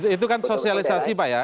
itu kan sosialisasi pak ya